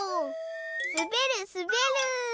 すべるすべる！